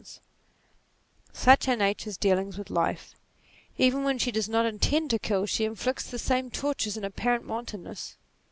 30 NATURE Such are Nature's dealings with life. Even when she does not intend to kill, she inflicts the same tortures in apparent wantonness.